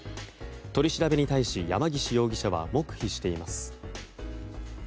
取り調べに対し、山岸容疑者は黙秘しています。